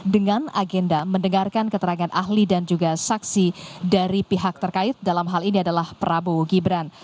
dengan agenda mendengarkan keterangan ahli dan juga saksi dari pihak terkait dalam hal ini adalah prabowo gibran